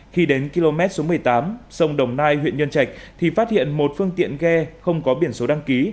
khi đến km số một mươi tám sông đồng nai huyện nhân trạch thì phát hiện một phương tiện ghe không có biển số đăng ký